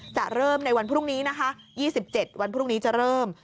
จะเริ่มในวันพรุ่งนี้นะคะ๒๗วันพรุ่งนี้จะเริ่ม